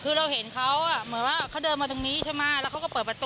คือเราเห็นเขาเขาเดินมาตรงนี้ชะมัดแล้วเขาก็เปิดประตู